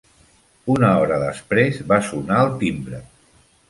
Una hora després, va sonar el timbre.